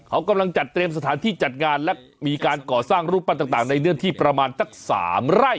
เขากำลังจัดเตรียมสถานที่จัดงานและมีการก่อสร้างรูปปั้นต่างในเนื้อที่ประมาณสัก๓ไร่